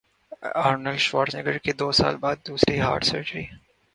Arnold Schwarzenegger کی دو سال بعد دوسری ہارٹ سرجری